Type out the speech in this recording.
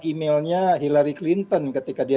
emailnya hillary clinton ketika dia